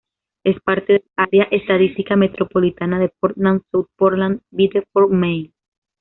Es parte del área estadística metropolitana de Portland-South Portland-Biddeford, Maine.